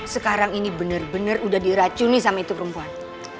sekarang ini bener bener udah diracuni sama itu perempuan